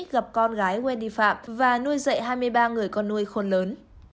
gặp con gái wendy phạm và nuôi dậy hai mươi ba người con nuôi khôn lớn